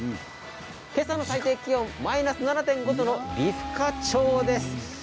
今朝の最低気温マイナス７．２度の美深です。